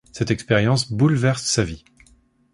Cette expérience bouleverse sa vie.